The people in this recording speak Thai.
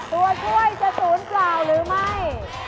ตัวช่วยจะ๐๙บาทหรือไม่